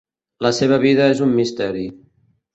La seva vida és un misteri.